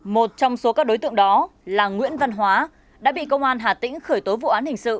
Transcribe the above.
một trong số các đối tượng đó là nguyễn văn hóa đã bị công an hà tĩnh khởi tố vụ án hình sự